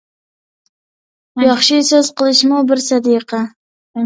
ياخشى سۆز قىلىشىمۇ بىر سەدىقە.